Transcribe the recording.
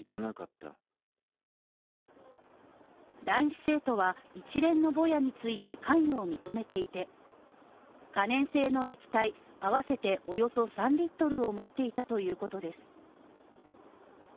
男子生徒は、一連のボヤについて関与を認めていて、可燃性の液体、あわせておよそ３Ｌを持っていたということです。